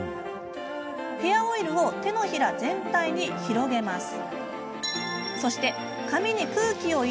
ヘアオイルを手のひら全体に広げます。